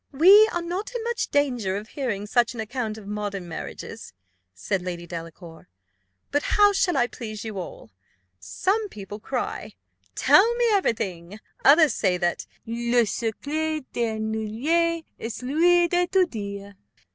"We are not in much danger of hearing such an account of modern marriages," said Lady Delacour. "But how shall I please you all? Some people cry, 'Tell me every thing;' others say, that, 'Le secret d'ennuyer est celui de tout dire.